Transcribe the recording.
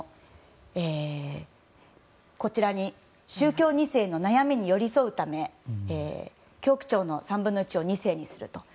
こちらに宗教２世の悩みに寄り添うため教区長の３分の１を２世にすると。